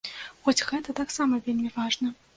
Хоць гэта таксама вельмі важна.